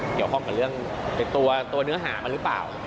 เกี่ยวข้องกับเรื่องตัวเนื้อหามันหรือเปล่า